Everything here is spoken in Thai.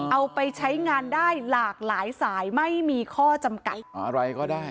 เอาไปใช้งานได้หลากหลายสายไม่มีข้อจำกัดอะไรก็ได้